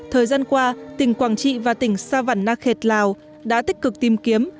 thời gian qua tỉnh quảng trị và tỉnh sa văn na khệt lào đã tích cực tìm kiếm